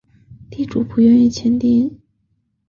地主不愿意订立书面契约